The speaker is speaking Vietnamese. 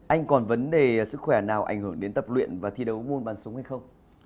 anh còn vấn đề sức khỏe nào ảnh hưởng đến tập luyện và thi đấu muôn bắn súng hay không